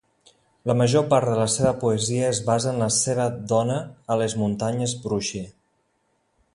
La major part de la seva poesia es basa en la seva dona a les Muntanyes Brushy.